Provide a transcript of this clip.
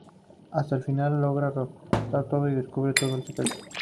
Hasta que al final, logra recordar todo y descubre todo el secreto.